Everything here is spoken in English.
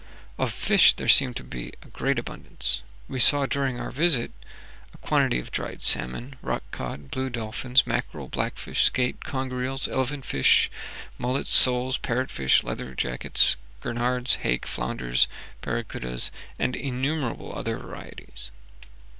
Of fish there seemed to be a great abundance. We saw, during our visit, a quantity of dried salmon, rock cod, blue dolphins, mackerel, blackfish, skate, conger eels, elephantfish, mullets, soles, parrotfish, leather jackets, gurnards, hake, flounders, paracutas, and innumerable other varieties.